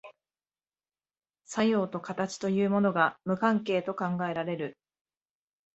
作用と形というものが無関係と考えられる。